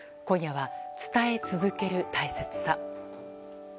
今夜は伝え続ける大切さ。